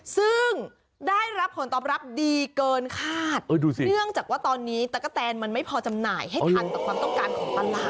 ซึ่งได้รับผลตอบรับดีเกินคาดเนื่องจากว่าตอนนี้ตะกะแตนมันไม่พอจำหน่ายให้ทันต่อความต้องการของตลาด